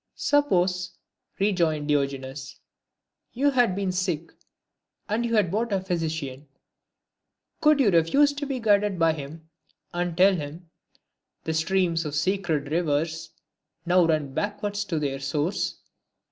" Suppose," rejoined Diogenes, " you had been sick, and had bought a physician, could you refuse to be guided by him, and tell him —" The streams of sacred rivers now Kun backwards to their source